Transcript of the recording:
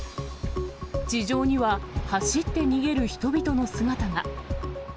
地上には走って逃げる人々の姿が。